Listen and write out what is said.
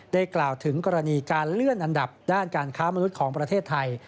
กล่าวถึงกรณีการเลื่อนอันดับด้านการค้ามนุษย์ของประเทศไทย